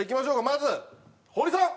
まず堀さん！